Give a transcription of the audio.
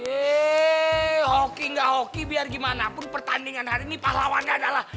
eh hoki gak hoki biar gimana pun pertandingan hari ini pahlawannya adalah